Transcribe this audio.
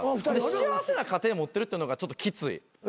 幸せな家庭持ってるってのがちょっときつい。